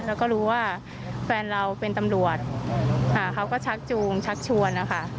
แล้วก็รู้ว่าแฟนเราเป็นตำรวจเขาก็ชักจูงชักชวนนะคะ